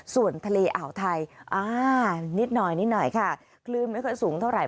ส่วนทะเลอ่าวไทยนิดหน่อยนิดหน่อยค่ะคลื่นไม่ค่อยสูงเท่าไห